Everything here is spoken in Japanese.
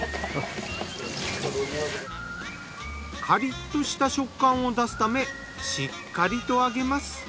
カリッとした食感を出すためしっかりと揚げます。